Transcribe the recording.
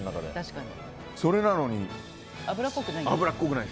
それなのに、脂っこくない。